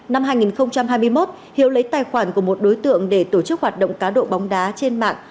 năm hai nghìn hai mươi một hiếu lấy tài khoản của một đối tượng để tổ chức hoạt động cá độ bóng đá trên mạng